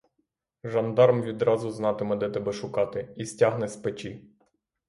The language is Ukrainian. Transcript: Жандарм відразу знатиме, де тебе шукати, і стягне з печі.